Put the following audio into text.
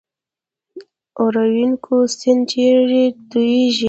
اورینوکو سیند چیرې تویږي؟